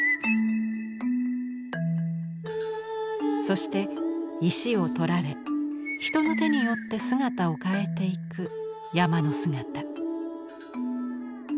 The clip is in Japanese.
そして石を採られ人の手によって姿を変えていく山の姿。